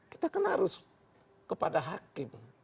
kita harus kepada hakim